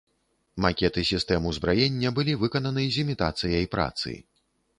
Макеты сістэм узбраення былі выкананы з імітацыяй працы.